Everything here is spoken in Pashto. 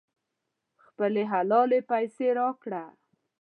خپلې حلالې پیسې راکړه.